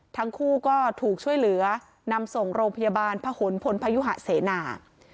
ทั้งคู่ก็ถูกช่วยเหลือนำส่งโรงพยาบาลพะหนพลพยุหะเสนา